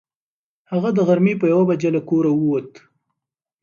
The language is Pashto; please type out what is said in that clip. هغه د غرمې په یوه بجه له کوره ووت.